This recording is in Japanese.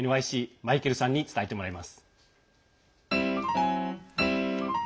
マイケルさんに伝えてもらいます。